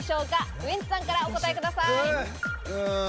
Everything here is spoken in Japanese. ウエンツさんからお答えください。